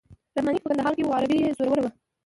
رحماني چې په کندهار کې وو عربي یې زوروره وه.